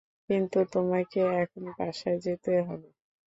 কিন্তু তোমাকে এখন বাসায় যেতে হবে।